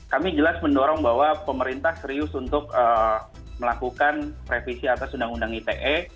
kami jelas mendorong bahwa pemerintah serius untuk melakukan revisi atas undang undang ite